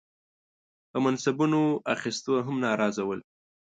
په منصبونو اخیستو هم ناراضه ول.